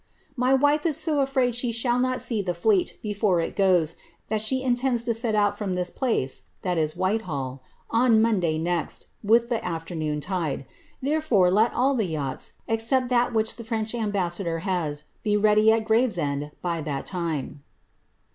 ^ My wife is so afraid that she shall not see the fleet before it goes out, that she intends to set out from this place ^Whitehall) on Monday next, with the afternoon tide ; therefore, let all the yachts, except that which the French ambassador has, be ready at Gravcsend by tliat time.